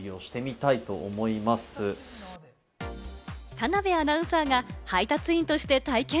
田辺アナウンサーが配達員として体験。